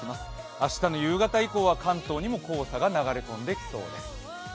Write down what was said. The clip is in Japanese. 明日の夕方以降は関東にも黄砂が流れ込んできそうです。